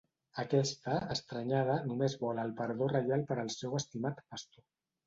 Aquesta, estranyada, només vol el perdó reial per al seu estimat pastor.